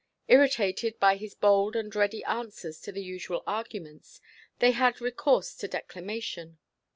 Irritated by his bold and ready answers to the usual arguments, they had recourse to declamation.